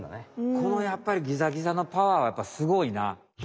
このやっぱりギザギザのパワーはやっぱりすごいな。